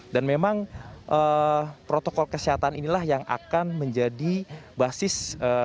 dan memang protokol kesehatan inilah yang akan menjadi basis